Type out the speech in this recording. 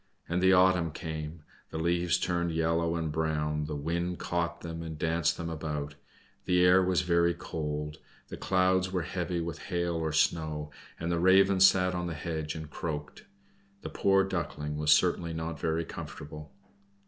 And the autumn came, the leaves turned yellow and brown, the wind caught them and danced them about, the air was very cold, the clouds were heavy with hail or snow, and the Raven sat on the hedge and croaked. The poor Duckling was certainly not very comfortable.